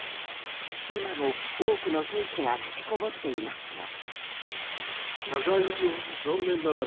今も多くの兵士が立てこもっていますが。